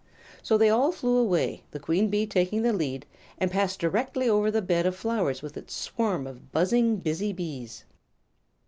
So they all flew away, the Queen Bee taking the lead, and passed directly over the bed of flowers with its swarm of buzzing, busy bees.